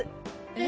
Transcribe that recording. え？